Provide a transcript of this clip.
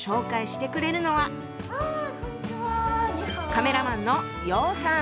カメラマンの楊さん。